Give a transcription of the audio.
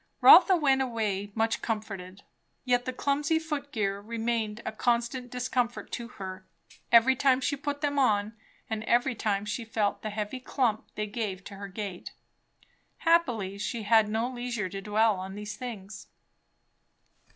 Rotha went away much comforted. Yet the clumsy foot gear remained a constant discomfort to her, every time she put them on and every time she felt the heavy clump they gave to her gait. Happily, she had no leisure to dwell on these things.